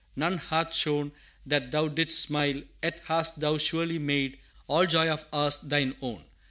none hath shown That Thou didst smile! yet hast Thou surely made All joy of ours Thine own.